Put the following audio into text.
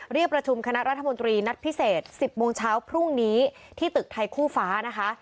เรียกประชุมคณะรัฐมนตรีนัดพิเศษ๑๐โมงเช้าพรุ่งนี้ที่ตึกไทยคู่ฟ้านะคะ